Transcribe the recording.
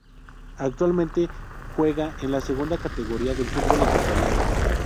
Actualmente juega en la Segunda Categoría del fútbol ecuatoriano.